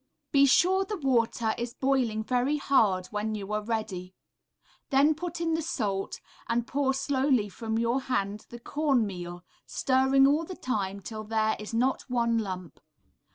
Be sure the water is boiling very hard when you are ready; then put in the salt, and pour slowly from your hand the corn meal, stirring all the time till there is not one lump.